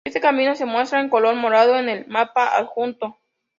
Este camino se muestra en color morado en el mapa adjunto.